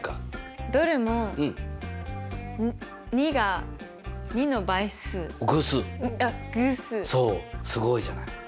どれも２がそうすごいじゃない。